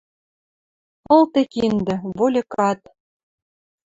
Ылде киндӹ, вольыкат.